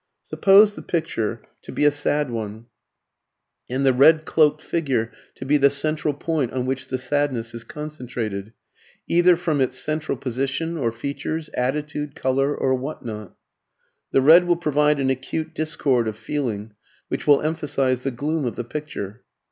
Suppose the picture to be a sad one, and the red cloaked figure to be the central point on which the sadness is concentrated either from its central position, or features, attitude, colour, or what not. The red will provide an acute discord of feeling, which will emphasize the gloom of the picture.